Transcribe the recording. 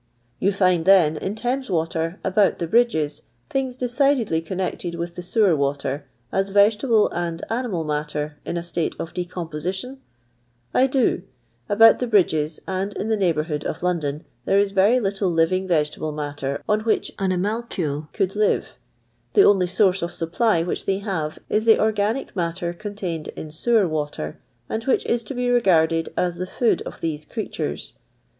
" You find then, in Thames water, about the bridges, things decidedly connected with the sewer tcater, as vegetable and animal matter in a state of decomposition ]"" I do ; about the bridges, and in the neighbourhood of London, there is very little living vegetable matter on which animalculae could live ; the only source of supply which they have is the organic matUr con taiiud in sewer icater, and which is to be regarded as the food of these creatures.